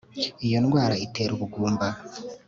iyo ndwara itera ubugumba